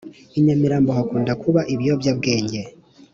I nyamirambo hakunda kuba ibiyobwabwenge